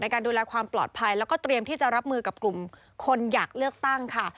การดูแลความปลอดภัยแล้วก็เตรียมที่จะรับมือกับกลุ่มคนอยากเลือกตั้งค่ะ